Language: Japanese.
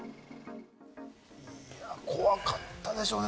怖かったでしょうね。